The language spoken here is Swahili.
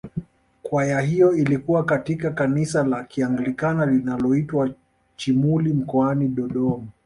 Kwaya hiyo ilikuwa katika kanisa la kianglikana linaloitwa Chimuli mkoani Dodoma